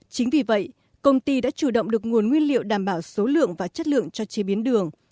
chính vì vậy công ty đã chủ động được nguồn nguyên liệu đảm bảo số lượng và chất lượng cho chế biến đường